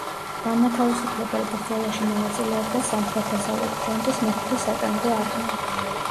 განმათავისუფლებელ ბრძოლაში მონაწილეობდა სამხრეთ-დასავლეთ ფრონტის მეხუთე სატანკო არმია.